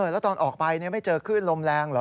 แล้วตอนออกไปไม่เจอคลื่นลมแรงเหรอ